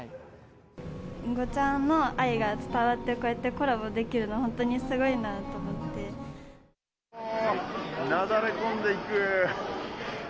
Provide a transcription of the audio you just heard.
ンゴちゃんの愛が伝わって、こうやってコラボできるの、おー、なだれ込んでいく。